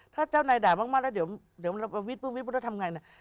ถ้าเจ้าหน่ายด่ายมากแล้วเดี๋ยวเราวิทย์ปุ้งแล้วทำยังไง